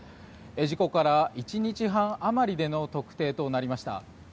事故から１日半余りでの特定となりました。